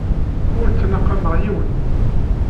Ur ttnaqameɣ yiwen.